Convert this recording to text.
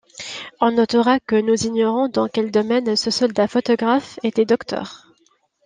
On notera que nous ignorons dans quel domaine ce soldat-photographe était docteur.